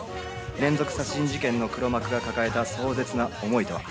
連続殺人事件の黒幕が抱えた壮絶な思いとは？